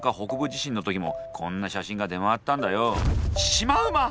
シマウマ？